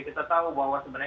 kita tahu bahwa sebenarnya